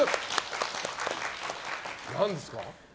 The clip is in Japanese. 何ですか？